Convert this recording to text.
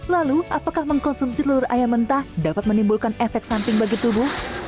lalu apakah mengkonsumsi telur ayam mentah dapat menimbulkan efek samping bagi tubuh